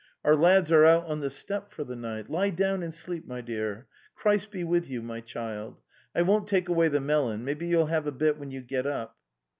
Our lads are out on the steppe for the night. Lie down and sleep, my dear... . Christ be with you, my child. ... I won't take away the melon; maybe you'll have a bit when you get up."